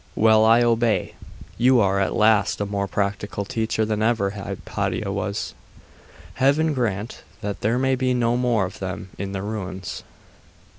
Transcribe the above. Well I obey. You are at least a more practical teacher than ever Hypatia was. Heaven grant that there may be no more of them in the ruins!